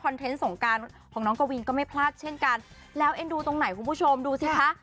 เทนต์สงการของน้องกวินก็ไม่พลาดเช่นกันแล้วเอ็นดูตรงไหนคุณผู้ชมดูสิคะ